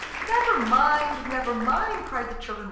"Never mind! never mind!" cried the children.